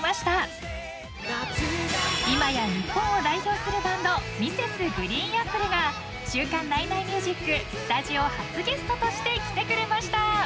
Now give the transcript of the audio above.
［今や日本を代表するバンドＭｒｓ．ＧＲＥＥＮＡＰＰＬＥが『週刊ナイナイミュージック』スタジオ初ゲストとして来てくれました！］